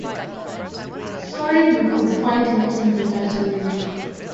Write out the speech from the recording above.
Sorry you could find nothing better to read.